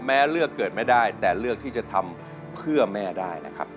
เลือกเกิดไม่ได้แต่เลือกที่จะทำเพื่อแม่ได้นะครับ